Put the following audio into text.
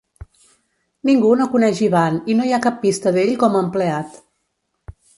Ningú no coneix Ivan i no hi ha cap pista d'ell com a empleat.